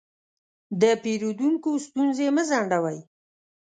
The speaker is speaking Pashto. د پیرودونکو ستونزې مه ځنډوئ.